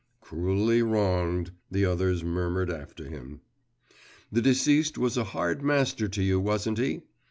'Cruelly wronged,' the others murmured after him. 'The deceased was a hard master to you, wasn't he?